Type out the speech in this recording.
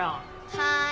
はい。